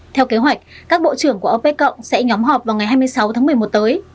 theo kế hoạch các bộ trưởng của opec cộng sẽ nhóm họp vào ngày hai mươi sáu tháng một mươi một tới